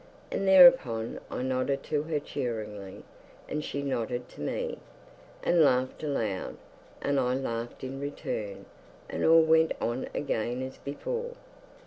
And thereupon I nodded to her cheerily, and she nodded to me, and laughed aloud, and I laughed in return, and all went on again as before.